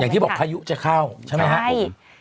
อย่างที่บอกพายุจะเข้าใช่ไหมครับ